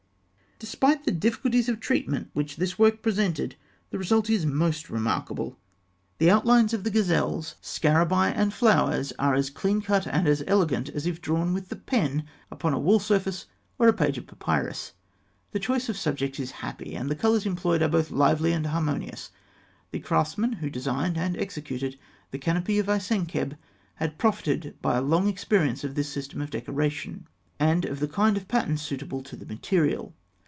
Despite the difficulties of treatment which this work presented, the result is most remarkable. The outlines of the gazelles, scarabaei, and flowers are as clean cut and as elegant as if drawn with the pen upon a wall surface or a page of papyrus. The choice of subjects is happy, and the colours employed are both lively and harmonious. [Illustration: Fig. 274. Bark with cut leather sail; wall painting tomb of Rameses III.] The craftsmen who designed and executed the canopy of Isiemkheb had profited by a long experience of this system of decoration, and of the kind of patterns suitable to the material.